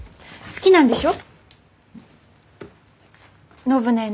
好きなんでしょ？